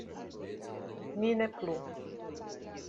“Ni ne plu!”